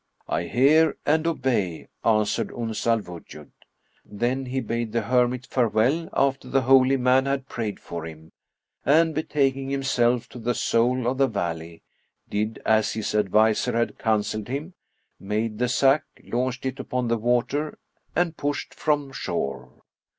"I hear and obey," answered Uns al Wujud. Then he bade the hermit farewell after the holy man had prayed for him; and, betaking himself to the sole of the valley, did as his adviser had counselled him; made the sack, launched it upon the water, and pushed from shore.